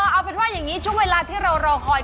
เอาเป็นว่าอย่างนี้ช่วงเวลาที่เรารอคอย